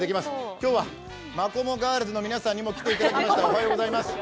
今日はマコモガールズの皆さんにも来ていただきました。